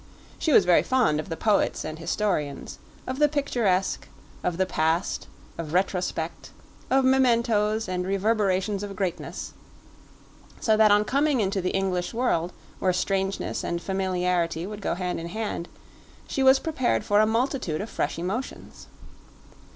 She was very fond of the poets and historians, of the picturesque, of the past, of retrospect, of mementos and reverberations of greatness; so that on coming into the English world, where strangeness and familiarity would go hand in hand, she was prepared for a multitude of fresh emotions.